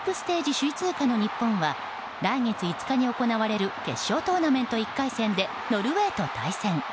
首位通過の日本は来月５日に行われる決勝トーナメント１回戦でノルウェーと対戦。